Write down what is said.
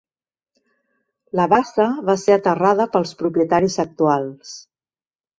La bassa va ser aterrada pels propietaris actuals.